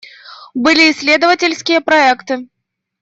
Были исследовательские проекты.